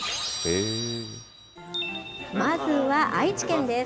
まずは、愛知県です。